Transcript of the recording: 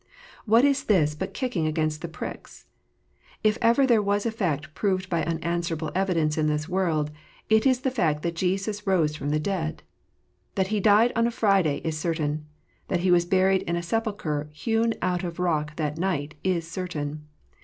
What is this but kicking against the pricks ? If ever there was a fact proved by unanswerable evidence in this world, it is the fact that Jesus rose from the dead ! That He died on a Friday, is certain. That He was buried in a sepulchre hewn out of rock that night, is certain.